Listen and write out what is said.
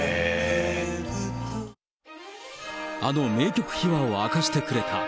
あの名曲秘話を明かしてくれた。